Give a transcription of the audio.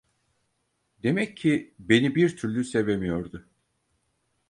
Demek ki beni bir türlü sevemiyordu.